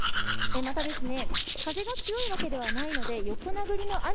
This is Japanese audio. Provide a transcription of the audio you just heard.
また、風が強いわけではないので横殴りの雨